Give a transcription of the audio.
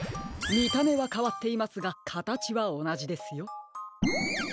みためはかわっていますがかたちはおなじですよ。